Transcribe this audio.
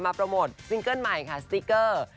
โปรโมทซิงเกิ้ลใหม่ค่ะสติ๊กเกอร์